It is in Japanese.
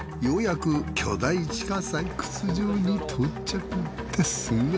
ようやく巨大地下採掘場に到着です。